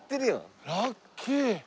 ラッキー！